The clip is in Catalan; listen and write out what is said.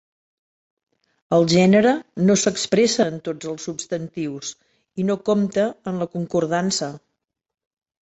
El gènere no s'expressa en tots els substantius i no compta en la concordança.